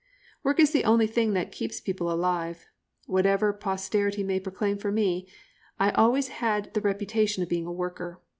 Work is the only thing that keeps people alive. Whatever posterity may proclaim for me, I always had the reputation of being a worker.